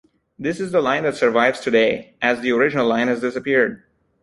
This is the line that survives today, as the original line has disappeared.